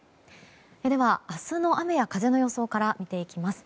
では、明日の雨や風の予想から見ていきます。